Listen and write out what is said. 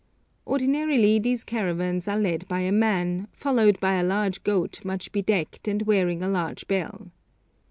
Ordinarily these caravans are led by a man, followed by a large goat much bedecked and wearing a large bell.